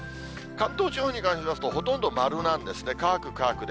関東地方に関しますとほとんど丸なんですね、乾く、乾くで。